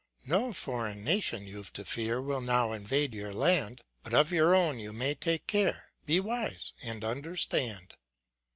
No foreign nation you've to fear Will now invade your land ; But of your own you may take careŌĆö Be wise, and understand.